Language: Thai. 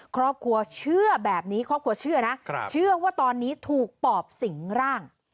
ครอบครัวเชื่อแบบนี้ครอบครัวเชื่อนะเชื่อว่าตอนนี้ถูกปอบสิงร่าง